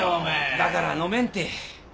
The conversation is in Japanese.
だから飲めんって。